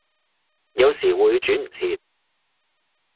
有時會轉唔切